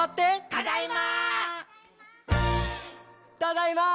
ただいま！